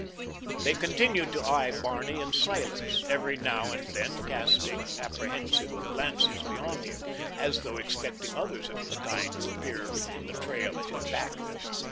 They continued to eye Barney in silence, every now and then casting apprehensive glances beyond him, as though expecting others of his kind to appear in the trail at his back.